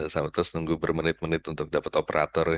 sama terus nunggu bermenit menit untuk dapat operator